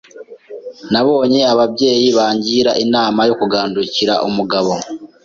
Nabonye ababyeyi bangira inama yo kugandukira umugabo